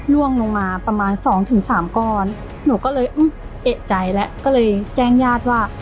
ล่วงลงมาประมาณสองถึงสามก้อนหนูก็เลยเอกใจแล้วก็เลยแจ้งญาติว่า